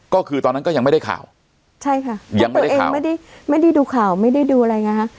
ก็คือตอนนั้นก็ยังไม่ได้ข่าวเพราะตัวเองไม่ได้ดูข่าวไม่ได้ดูอะไรนะครับ